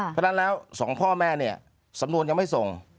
เพราะฉะนั้นแล้วสองพ่อแม่เนี่ยสำนวนยังไม่ส่ง